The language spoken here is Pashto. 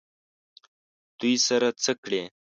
دوی سره څه کړي؟